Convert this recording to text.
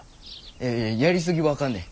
いやいややりすぎはあかんねん。